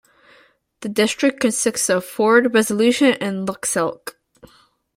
The district consists of Fort Resolution and Lutselk'e.